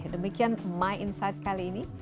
demikian my insight kali ini